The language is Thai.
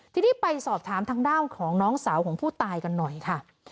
ทีนี้ไปสอบถามทางด้านของน้องสาวของผู้ตายกันหน่อยค่ะ